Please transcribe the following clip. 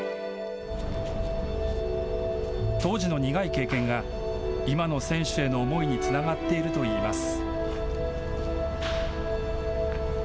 当時の苦い経験が今の選手への思いにつながっているといいます。